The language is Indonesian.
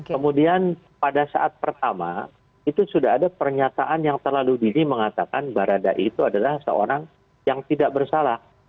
kemudian pada saat pertama itu sudah ada pernyataan yang terlalu dini mengatakan baradae itu adalah seorang yang tidak bersalah